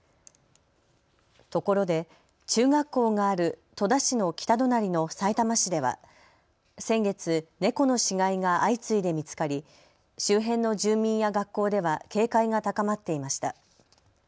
ところで中学校がある戸田市の北隣のさいたま市では先月、猫の死骸が相次いで見つかり周辺の住民や学校では警戒が高まっていました。